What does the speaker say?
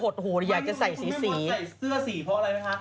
คุณคุณไม่คว่าใส่เสื้อสีเพราะอะไรครับ